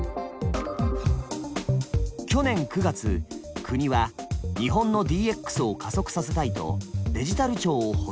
去年９月国は日本のＤＸを加速させたいと「デジタル庁」を発足。